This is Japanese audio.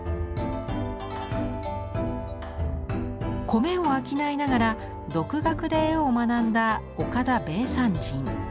米を商いながら独学で絵を学んだ岡田米山人。